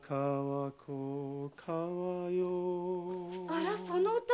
あらその歌？